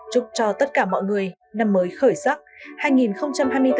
chúc cho tất cả mọi người năm mới khởi sắc